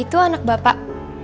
itu anak bapak